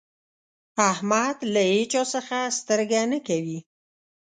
احمد له هيچا څځه سترګه نه کوي.